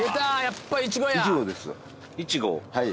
はい。